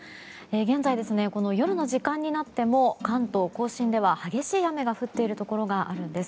現在、夜の時間になっても関東・甲信では激しい雨が降っているところがあるんです。